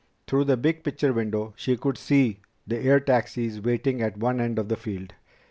Through the big picture window She could see the air taxis waiting at one end of the field.